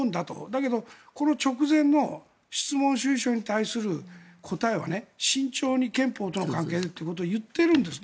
だけど、この直前の質問主意書に対する答えは慎重に憲法との関係でって言ってるんです。